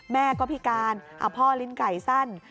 แม่ก็พิการพ่อลิ้นไก่สั้น